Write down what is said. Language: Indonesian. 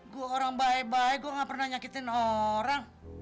gue orang baik baik gue gak pernah nyakitin orang